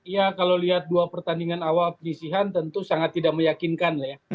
ya kalau lihat dua pertandingan awal penyisihan tentu sangat tidak meyakinkan lah ya